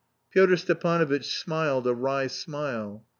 Pyotr Stepanovitch smiled a wry smile.